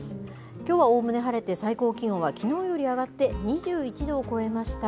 きょうはおおむね晴れて、最高気温はきのうより上がって、２１度を超えました。